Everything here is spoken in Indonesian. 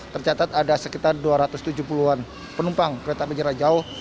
tercatat ada sekitar dua ratus tujuh puluh an penumpang kereta penjara jauh